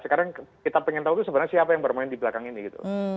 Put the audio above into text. sekarang kita pengen tahu tuh sebenarnya siapa yang bermain di belakang ini gitu